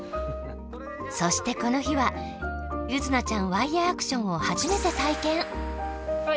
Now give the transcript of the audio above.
そしてこの日は柚凪ちゃんワイヤーアクションをはじめて体験。